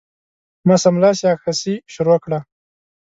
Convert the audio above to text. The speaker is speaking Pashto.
ما سملاسي عکاسي شروع کړه.